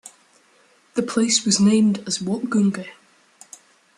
The place was named as Wokgunge.